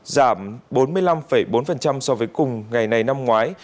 giảm bốn mươi năm bốn so với cùng ngày này năm ngoái